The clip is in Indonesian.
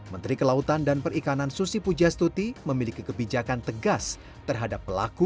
menteri kelautan dan perikanan susi pujastuti memiliki kebijakan tegas terhadap pelaku